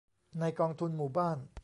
ในกองทุนหมู่บ้าน